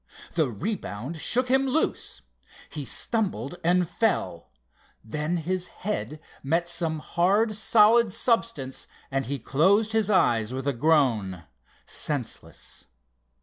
The rebound shook him loose. He stumbled and fell. Then his head met some hard solid substance and he closed his eyes with a groan—senseless.